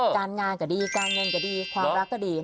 การงานก็ดีการเงินก็ดีความรักก็ดี